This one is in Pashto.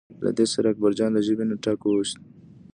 له دې سره اکبرجان له ژبې نه ټک وویست.